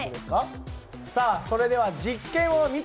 さあそれでは実験を見てみましょう！